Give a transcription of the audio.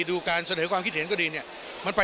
สุดท้ายทุกคนก็รบ